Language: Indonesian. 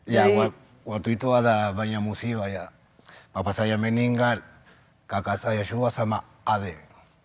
ya waktu itu ada banyak musiwa ya bapak saya meninggal kakak saya semua sama adik